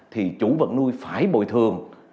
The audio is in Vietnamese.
thì chủ vật nuôi phải bồi thường